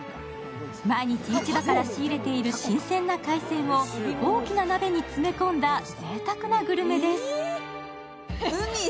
毎日市場から仕入れている新鮮な海鮮を大きな鍋に詰め込んだぜいたくなグルメです。